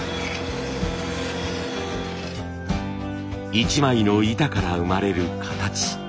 一枚の板から生まれる形。